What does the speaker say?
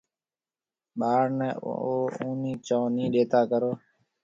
ٻاݪ نَي اونَي چونه نَي ڏيتا ڪرون۔